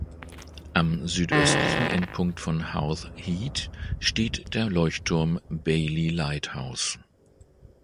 Am südöstlichen Endpunkt von Howth Head steht der Leuchtturm Baily Lighthouse.